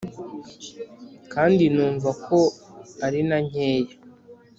Kandi numva ko ari na nkeya